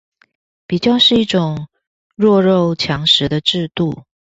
比較是一種弱肉強食的制度